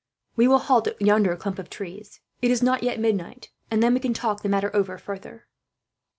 "We will halt at yonder clump of trees," he said. "It is not yet midnight, and then we can talk the matter over further."